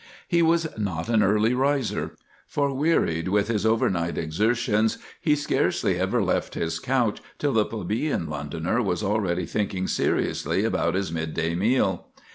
He was not an early riser—for, wearied with his overnight exertions, he scarcely ever left his couch till the plebeian Londoner was already thinking seriously about his midday meal.